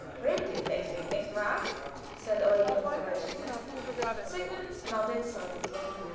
"Pretty plaything, nicht wahr?" said Eugen, encouragingly. Sigmund nodded silently.